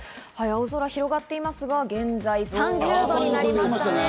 青空広がっていますが、現在３０度になりました。